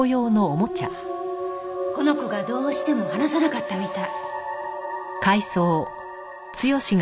この子がどうしても離さなかったみたい。